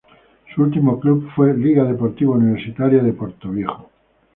Su último club fue Liga Deportiva Universitaria de Portoviejo.